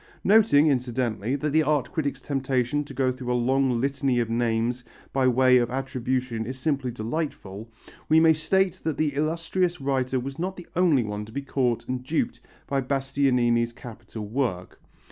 Noting, incidentally, that the art critic's temptation to go through a long litany of names by way of attribution is simply delightful, we may state that the illustrious writer was not the only one to be caught and duped by Bastianini's capital work.